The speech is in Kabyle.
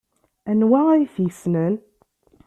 Anwa ay t-yessnen?